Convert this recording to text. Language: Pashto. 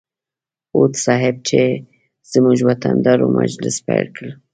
هوډ صیب چې زموږ وطن دار و مجلس پیل کړ.